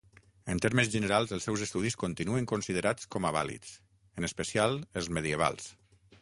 En termes generals els seus estudis continuen considerats com a vàlids, en especial els medievals.